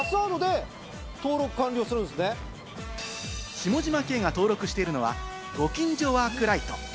下嶋兄が登録しているのは、ご近所ワークｌｉｔｅ。